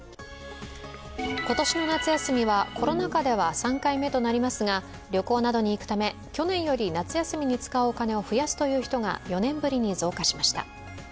今年の夏休みはコロナ禍では３回目となりますが旅行などに行くため、去年より夏休みに使うお金を増やすという人が４年ぶりに増加しました。